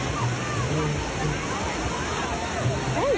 รอไว้รอไว้รอไว้